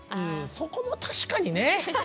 そこも確かにね。